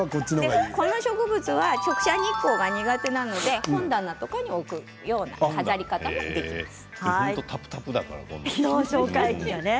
その植物は直射日光が苦手なので本棚に置く飾り方もできます。